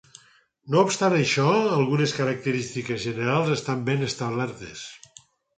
No obstant això, algunes característiques generals estan ben establertes.